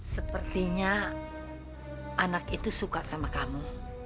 sepertinya anak itu suka sama kamu